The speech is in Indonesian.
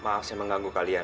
maaf saya mengganggu kalian